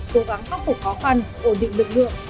cố gắng khắc phục khó khăn ổn định lực lượng